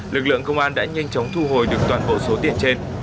lực lượng công an đã nhanh chóng thu hồi được toàn bộ số tiền trên